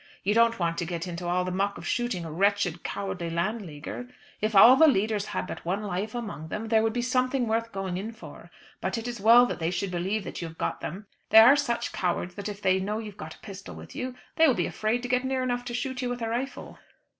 You don't want to get into all the muck of shooting a wretched, cowardly Landleaguer. If all the leaders had but one life among them there would be something worth going in for. But it is well that they should believe that you have got them. They are such cowards that if they know you've got a pistol with you they will be afraid to get near enough to shoot you with a rifle.